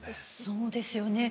そうですよね。